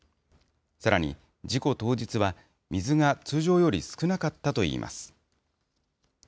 さらに事故当日は、水が通常より少なかったといいます。